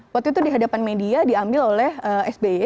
waktu itu dihadapan media diambil oleh sbi